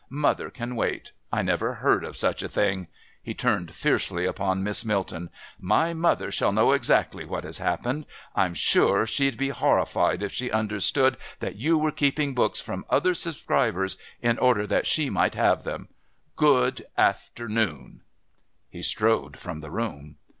"Mother can wait. I never heard of such a thing." He turned fiercely upon Miss Milton. "My mother shall know exactly what has happened. I'm sure she'd be horrified if she understood that you were keeping books from other subscribers in order that she might have them.... Good afternoon." He strode from the room.